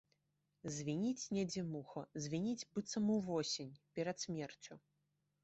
Звініць недзе муха, звініць, быццам увосень, перад смерцю.